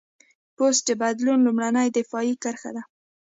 پوست د بدن لومړنۍ دفاعي کرښه ده.